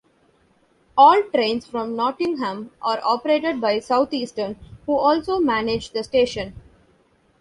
All trains from Mottingham are operated by Southeastern, who also manage the station.